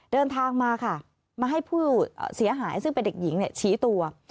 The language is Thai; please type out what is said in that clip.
เดินทางมาค่ะมาให้ผู้เสียหายซึ่งเป็นเด็กหญิงชี้ตัว